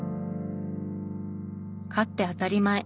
勝って当たり前。